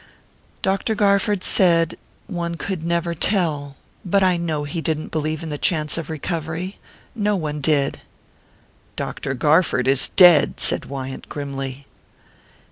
"Dr. Garford said...one could never tell...but I know he didn't believe in the chance of recovery...no one did." "Dr. Garford is dead," said Wyant grimly.